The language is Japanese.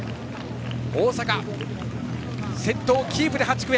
大阪先頭をキープで８区へ。